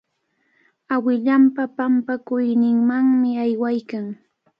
Awilanpa pampakuyninmanmi aywaykan.